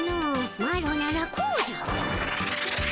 マロならこうじゃ。